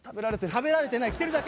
食べられてない着てるだけ。